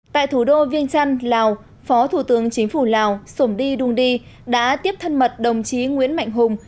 tại thủ đô viên trăn lào phó thủ tướng chính phủ lào sổm đi đung đi đã tiếp thân mật đồng chí nguyễn mạnh hùng